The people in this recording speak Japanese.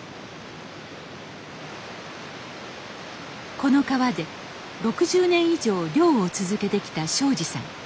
この川で６０年以上漁を続けてきた省二さん。